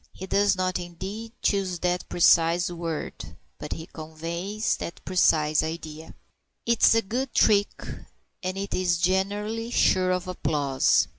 He does not, indeed, choose that precise word, but he conveys that precise idea. 'Tis a good trick, and it is generally sure of applause.